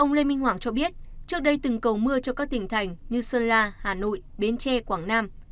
ông lê minh hoàng cho biết trước đây từng cầu mưa cho các tỉnh thành như sơn la hà nội bến tre quảng nam